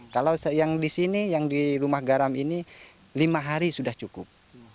kalau yang di sini yang di rumah garam ini lima hari sudah cukup